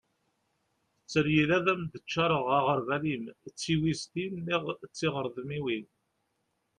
tteryel ad am-d-ččareγ aγerbal-im d tiwiztin neγ tiγredmiwin